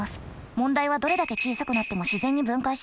問題はどれだけ小さくなっても自然に分解しないこと。